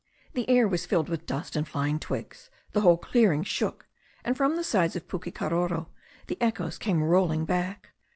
The air was filled with dust and flying twigs, the whole clearing shook, and from the sides of Pukekaroro the echoes came rolling back.